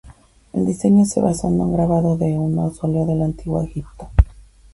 El diseño se basó en un grabado de un mausoleo del antiguo Egipto.